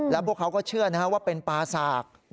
แล้วพวกเขาก็เชื่อว่าเป็นปลาสาก